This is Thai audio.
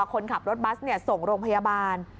คนขับรถบัสส่งโรงพยาบาล